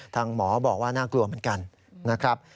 หมอบอกว่าน่ากลัวเหมือนกันนะครับ